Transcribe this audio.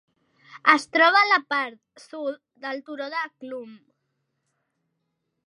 Es troba a la part sud del turó de Chlum.